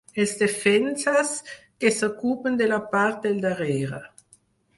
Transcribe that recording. Els defenses, que s'ocupen de la part del darrere.